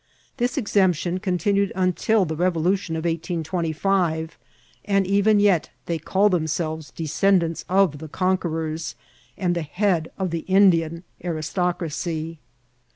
This exemption continued until the revolution of 1825, and even yet they call them selves descendants of the conquerors, and the head of the Indian aristocracy.